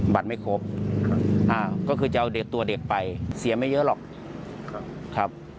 บัตรไม่ครบก็คือจะเอาเด็กตัวเด็กไปเสียไม่เยอะหรอกครับ